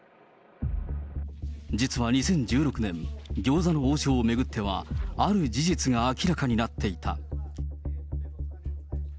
実は２０１６年、餃子の王将を巡っては、ある事実が明らかになっていた。